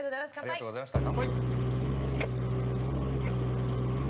◆ありがとうございました、乾杯。